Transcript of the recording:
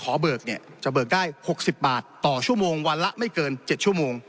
เบิกเนี่ยจะเบิกได้๖๐บาทต่อชั่วโมงวันละไม่เกิน๗ชั่วโมง